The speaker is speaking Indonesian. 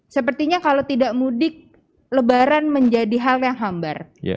sepertinya kalau tidak mudik lebaran menjadi hal yang hambar